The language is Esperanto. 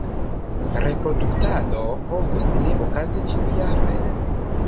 Reproduktado povus ne okazi ĉiujare.